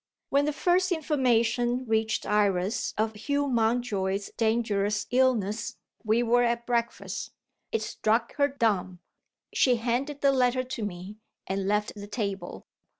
When the first information reached Iris of Hugh Mountjoy's dangerous illness, we were at breakfast. It struck her dumb. She handed the letter to me, and left the table.